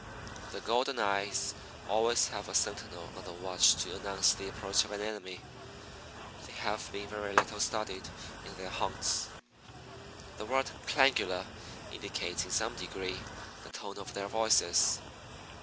The Golden eyes always have a sentinel on the watch to announce the approach of an enemy. They have been very little studied in their haunts. The word Clangula indicates in some degree the tone of their voices.